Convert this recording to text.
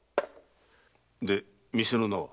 で店の名は？